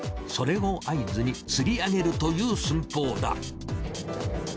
それを合図に釣り上げるという寸法だ。